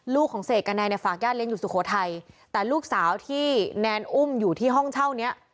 ลูกของเสกกับแนนเนี่ยฝากญาติเลี้ยอยู่สุโขทัยแต่ลูกสาวที่แนนอุ้มอยู่ที่ห้องเช่าเนี้ย